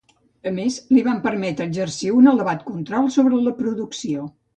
A més, li van permetre exercir un elevat control sobre la producció.